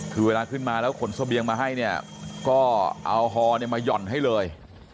คือเวลาขึ้นมาแล้วขนเสบียงมาให้เนี่ยก็เอาฮอมาหย่อนให้เลย